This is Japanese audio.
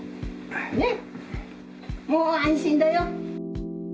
ね、もう安心だよ。